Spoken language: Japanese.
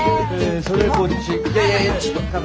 それこっち。